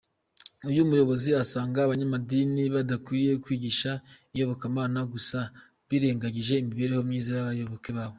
Uyu muyobozi asanga abanyamadini badakwiriye kwigisha iyobokamana gusa, birengagije imibereho myiza y’abayoboke babo.